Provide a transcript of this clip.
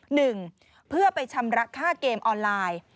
หนึ่งเพื่อไปชำระค่าเกมออนไลน์